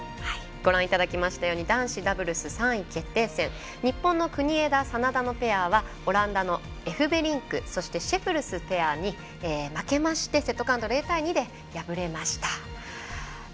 ご覧いただきましたように男子ダブルス３位決定戦日本の国枝、眞田のペアはオランダのエフベリンクそして、シェフェルスペアに負けましてセットカウント０対２で敗れました。